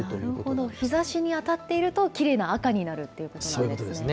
なるほど、日ざしに当たっていると、きれいな赤になるというそういうことですね。